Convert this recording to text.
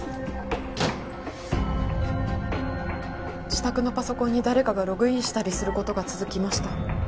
自宅のパソコンに誰かがログインしたりする事が続きました。